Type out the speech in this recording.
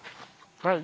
はい。